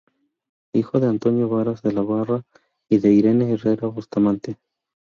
Hijo de Antonio Varas de la Barra y de "Irene Herrera Bustamante".